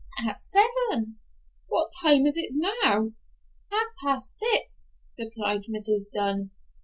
"At seven." "What time is it now?" "Half past six," replied Mrs. Dunn.